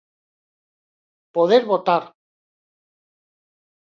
Poder votar.